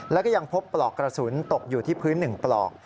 แล้วก็ยังพบปลอกกระสุนตกอยู่ที่พื้น๑ปลอก